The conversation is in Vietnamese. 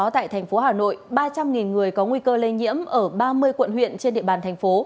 tại thành phố hà nội ba trăm linh người có nguy cơ lây nhiễm ở ba mươi quận huyện trên địa bàn thành phố